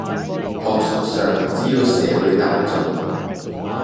學術上只要社會大眾